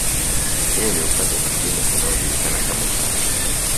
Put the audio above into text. Huu ni upande mwingine unaojulikana kama kambi